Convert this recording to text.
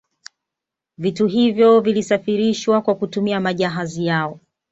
Vitu hivyo vilisafirishwa kwa kutumia majahazi yao